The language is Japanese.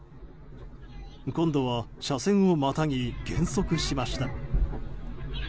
今度は車線をまたぎ減速しました。